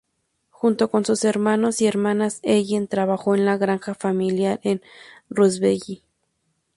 Junto con sus hermanos y hermanas, Ellen trabajó en la granja familiar en Rushville.